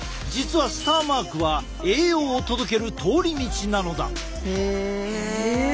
実はスターマークは栄養を届ける通り道なのだ。